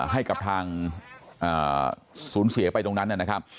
ให้กับทางศูนย์เสียไปตรงนั้นนะครับ